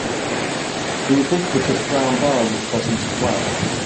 The ubiquitous brown bear was present as well.